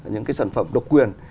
những cái sản phẩm độc quyền